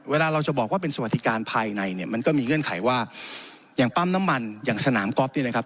เวลาเราจะบอกว่าเป็นสวัสดิการภายในเนี่ยมันก็มีเงื่อนไขว่าอย่างปั๊มน้ำมันอย่างสนามก๊อฟเนี่ยนะครับ